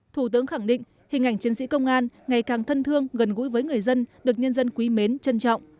thủ tướng khẳng định hình ảnh chiến sĩ công an ngày càng thân thương gần gũi với người dân được nhân dân quý mến trân trọng